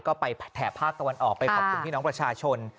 ก็ไปแถบภาคตะวันออกไปขอบคุณพี่น้องประชาชน